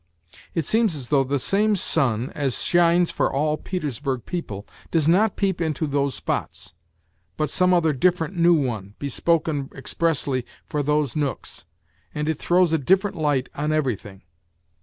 It seems as though the same sun as shines for all Petersburg people does not peep into those spots, but some other different new one, bespoken expressly for those nooks, and it throws a different light on everything.